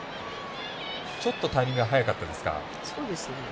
ちょっとタイミングが早かったですか。